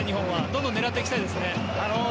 どんどん狙っていきたいですね。